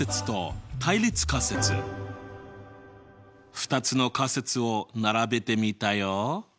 ２つの仮説を並べてみたよ。